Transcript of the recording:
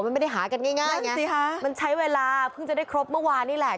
มันไม่ได้หากันง่ายไงสิฮะมันใช้เวลาเพิ่งจะได้ครบเมื่อวานนี่แหละ